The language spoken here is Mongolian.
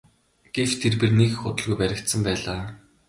Гэвч тэрбээр нэг их удалгүй баригдсан байлаа.